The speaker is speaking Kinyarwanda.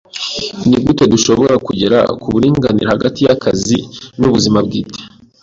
Nigute dushobora kugera ku buringanire hagati yakazi nubuzima bwite?